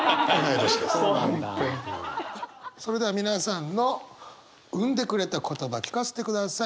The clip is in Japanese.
それでは皆さんの生んでくれた言葉聞かせてください。